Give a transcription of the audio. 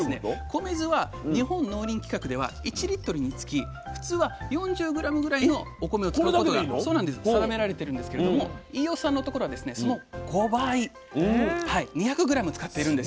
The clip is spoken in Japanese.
米酢は日本農林規格では１につき普通は４０ｇぐらいのお米を使うことが定められてるんですけれども飯尾さんのところはその５倍２００ｇ使っているんですよ。